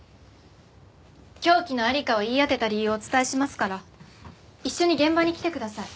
凶器の在りかを言い当てた理由をお伝えしますから一緒に現場に来てください。